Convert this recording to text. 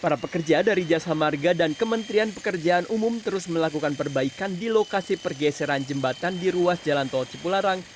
para pekerja dari jasa marga dan kementerian pekerjaan umum terus melakukan perbaikan di lokasi pergeseran jembatan di ruas jalan tol cipularang